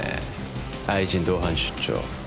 愛人同伴出張